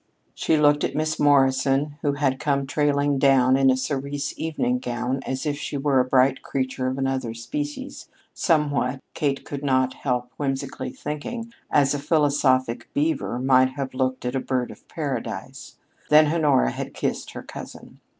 She looked at Miss Morrison, who had come trailing down in a cerise evening gown as if she were a bright creature of another species, somewhat, Kate could not help whimsically thinking, as a philosophic beaver might have looked at a bird of paradise. Then Honora had kissed her cousin.